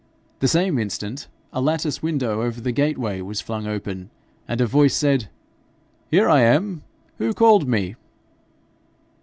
The same instant a lattice window over the gateway was flung open, and a voice said 'Here I am. Who called me?'